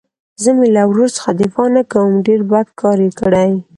زه مې له ورور څخه دفاع نه کوم ډېر بد کار يې کړى.